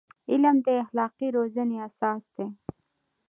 علم د اخلاقي روزنې اساس دی.